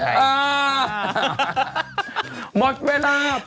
ประโยชน์ทั้งนั้น